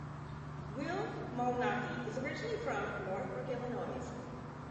Will Malnati is originally from Northbrook, Illinois.